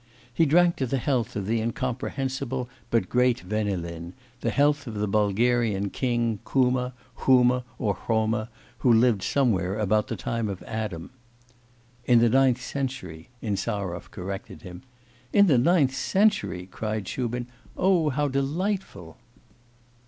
He drank to the health of the incomprehensible but great Venelin, the health of the Bulgarian king Kuma, Huma, or Hroma, who lived somewhere about the time of Adam. 'In the ninth century,' Insarov corrected him. 'In the ninth century?' cried Shubin. 'Oh, how delightful!